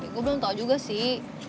gue belum tau juga sih